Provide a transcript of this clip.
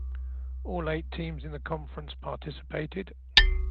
All eight teams in the conference participated.